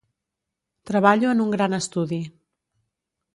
Treballo en un gran estudi.